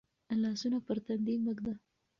لاسونه پر تندي مه ږده.